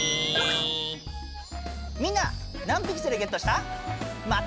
みんな何ピクセルゲットした？